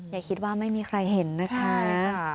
อย่าคิดว่าไม่มีใครเห็นนะคะอืมใช่ค่ะ